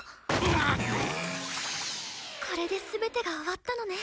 これで全てが終わったのね。